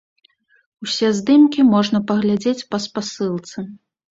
Усе здымкі можна паглядзець па спасылцы.